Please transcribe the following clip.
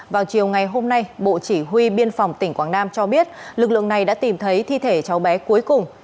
vào chiều ngày hôm nay bộ chỉ huy biên phòng tỉnh quảng nam cho biết lực lượng này đã tìm thấy thi thể cháu bé cuối cùng